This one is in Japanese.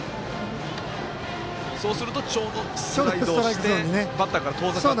そうするとちょうどスライドしてバッターから遠ざかって。